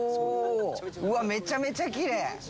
うわ、めちゃめちゃきれい。